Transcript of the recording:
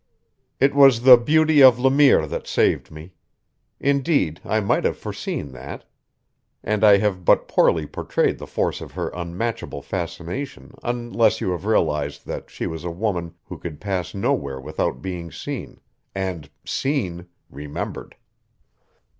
It was the beauty of Le Mire that saved me. Indeed, I might have foreseen that; and I have but poorly portrayed the force of her unmatchable fascination unless you have realized that she was a woman who could pass nowhere without being seen; and, seen, remembered.